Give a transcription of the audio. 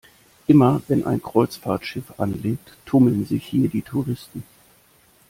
Immer wenn ein Kreuzfahrtschiff anlegt, tummeln sich hier die Touristen.